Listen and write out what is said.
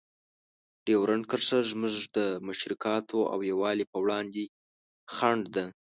ډیورنډ کرښه زموږ د مشترکاتو او یووالي په وړاندې خنډ ده.